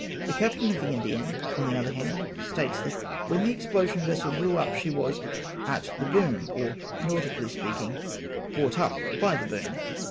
The captain of the Indienne, on the other hand, states that when the explosion vessel blew up she was " at the boom" or, nautically speaking, " brought up by the boom.''